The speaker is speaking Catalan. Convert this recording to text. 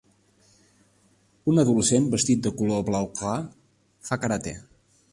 Un adolescent vestit de color blau clar fa karate.